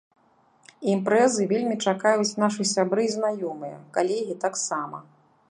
Імпрэзы вельмі чакаюць нашы сябры і знаёмыя, калегі таксама.